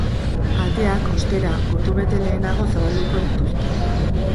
Ateak, ostera, ordubete lehenago zabalduko dituzte.